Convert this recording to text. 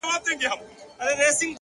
منم چي ټولو سردونو کي به ځان ووينم’